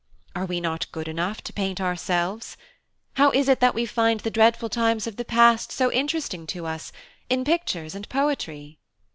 Are we not good enough to paint ourselves? How is it that we find the dreadful times of the past so interesting to us in pictures and poetry?"